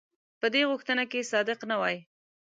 په دې غوښتنه کې صادق نه وای.